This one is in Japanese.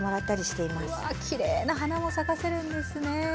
きれいな花も咲かせるんですね。